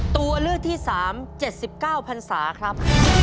ตัวเลือกที่๓๗๙พันศาครับ